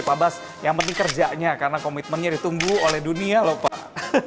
pak bas yang penting kerjanya karena komitmennya ditunggu oleh dunia lho pak